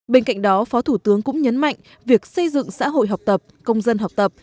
bên cạnh đó phó thủ tướng cũng nhấn mạnh việc xây dựng xã hội học tập công dân học tập